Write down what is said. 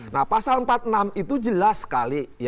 nah pasal empat puluh enam itu jelas sekali